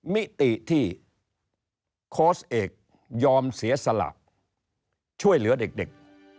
มิติที่โค้ชเอกยอมเสียสละช่วยเหลือเด็ก